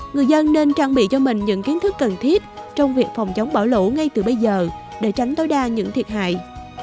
người dân nên trang bị cho mình những kiến thức cần thiết trong việc phòng chống bão lũ ngay từ bây giờ để tránh tối đa những thiệt hại